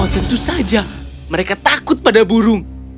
tentu saja mereka takut pada burung